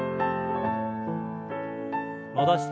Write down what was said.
戻して。